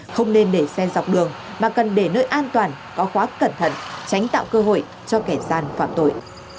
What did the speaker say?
không nên để xen dọc đường mà cần để nơi an toàn có khóa cẩn thận tránh tạo cơ hội cho kẻ gian phạm tội